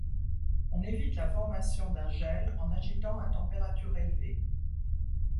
On évite la formation d'un gel en agitant à température élevée.